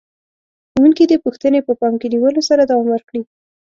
ښوونکي دې پوښتنې په پام کې نیولو سره دوام ورکړي.